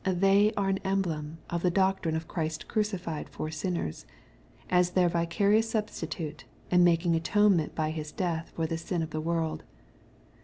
They are an emblem of the doctrine of Christ crucified\(^ for sinners, as their vicarious substitute, and making atonement by His death for the sin of the world.